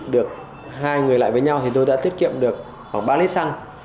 được hai người lại với nhau thì tôi đã tiết kiệm được khoảng ba lít xăng